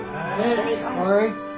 はい。